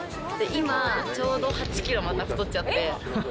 今、ちょうど８キロまた太っちゃって。